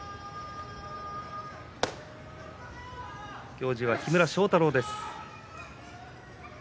行司は木村庄太郎です。